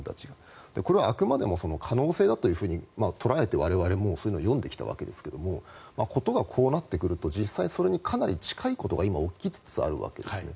これはあくまでも可能性だと捉えて我々もそれを読んできたわけですが事がこうなってくると実際、それに近いことが今、起きつつあるわけですね。